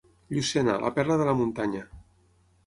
Llucena, la perla de la muntanya.